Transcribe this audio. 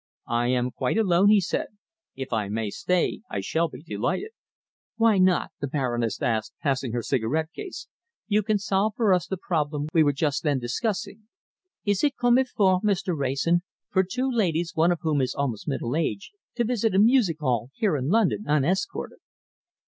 "I am quite alone," he said. "If I may stay, I shall be delighted." "Why not?" the Baroness asked, passing her cigarette case. "You can solve for us the problem we were just then discussing. Is it comme il faut, Mr. Wrayson, for two ladies, one of whom is almost middle aged, to visit a music hall here in London unescorted?"